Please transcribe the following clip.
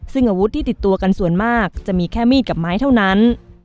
ซึ่งอาวุธที่ติดตัวกันส่วนมากจะมีแค่มีดกับไม้เท่านั้น